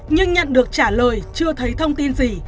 nhưng nhận được trả lời chưa thấy thông tin gì